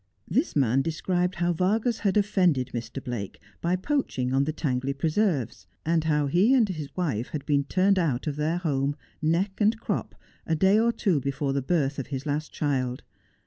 This man described how Vargas had offended Mr. Blake by poaching on the Tangley preserves, and how he and his wife had been turned out of their home, neck and crop, a day or two before the birth of his last child.